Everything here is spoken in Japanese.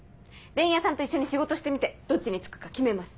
伝弥さんと一緒に仕事してみてどっちにつくか決めます。